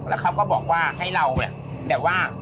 แล้วเขาก็บอกว่าให้เราเนี่ยแบบว่า